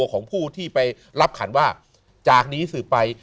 ก็เป็นตัวจูบที่ไปรับขันว่าจากนี้ซึซึไป